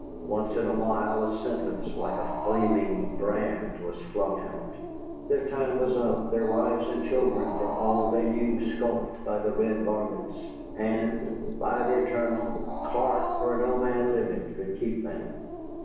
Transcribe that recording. Once in a while a sentence like a flaming brand was flung out. Their time was up, their wives and children for all they knew sculped by the red varmints, and, by the etarnal, Clark or no man living could keep them.